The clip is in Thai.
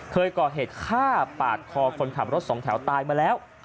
เคยก่อเหตุฆ่าปาดคอคนขับรถสองแถวตายมาแล้ว